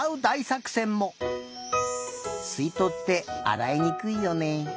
すいとうってあらいにくいよね。